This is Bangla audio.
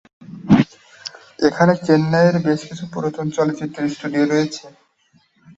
এখানে চেন্নাইয়ের বেশকিছু পুরাতন চলচ্চিত্র স্টুডিও রয়েছে।